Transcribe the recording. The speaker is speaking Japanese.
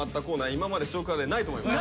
今まで「少クラ」でないと思います。